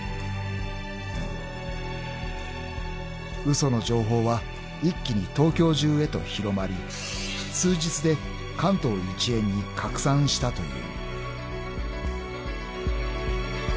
［嘘の情報は一気に東京中へと広まり数日で関東一円に拡散したという］